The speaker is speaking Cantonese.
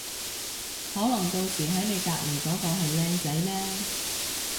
可能到時喺你隔離嗰個係靚仔呢